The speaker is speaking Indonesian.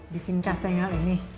bikin kastengel ini